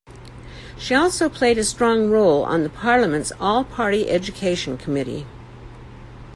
She also played a strong role on the Parliament's All-Party Education Committee.